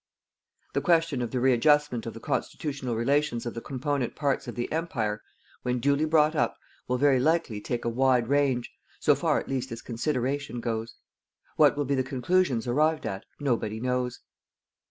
The question of the readjustment of the constitutional relations of the component parts of the Empire, when duly brought up, will very likely take a wide range, so far at least as consideration goes. What will be the conclusions arrived at, nobody knows.